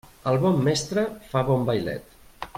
El bon mestre fa bon vailet.